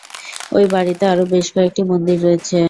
এ বাড়িতে আরও বেশ কয়েকটি মন্দির রয়েছে।